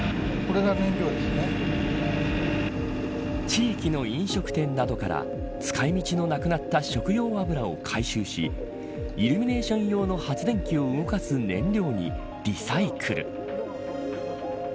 地域の飲食店などから使い道のなくなった食用油を回収しイルミネーション用の発電機を動かす燃料にリサイクル。